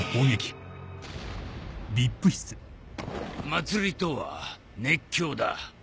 祭りとは熱狂だ。